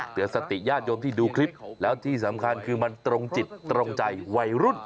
เตือนสติญาติโยมที่ดูคลิปแล้วที่สำคัญคือมันตรงจิตตรงใจวัยรุ่น